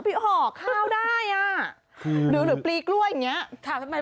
พี่ห่อข้าวได้อะหรือปลีกล้วยอย่างเงี้ย